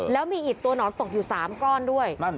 แล้วมีอิดตัวหนอนตกอยู่๓ก้อนด้วย